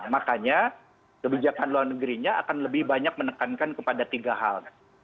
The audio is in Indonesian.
makanya kebijakan luar negerinya akan lebih banyak menekankan kepada tiga hal